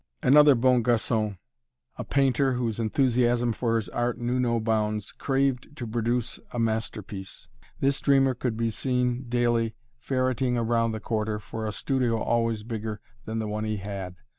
Another "bon garçon" a painter whose enthusiasm for his art knew no bounds craved to produce a masterpiece. This dreamer could be seen daily ferreting around the Quarter for a studio always bigger than the one he had.